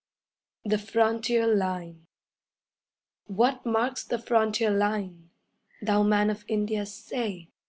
THE FRONTIER LINE What marks the frontier line? Thou man of India, say!